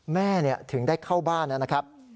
แม่ถึงได้เข้าบ้านนะครับ